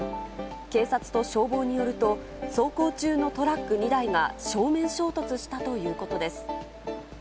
警察と消防によると、走行中のトラック２台が正面衝突したということです。